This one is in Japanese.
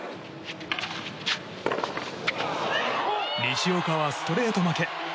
西岡はストレート負け。